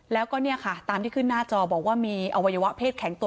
แล้วก็เนี่ยค่ะตามที่ขึ้นหน้าจอบอกว่ามีอวัยวะเพศแข็งตัว